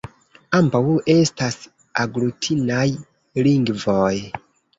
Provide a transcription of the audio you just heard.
Ambaŭ estas aglutinaj lingvoj.